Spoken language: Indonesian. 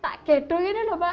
tak gedung ini loh mak